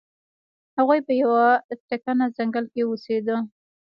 هغوی په یو تکنه ځنګل کې اوسیده.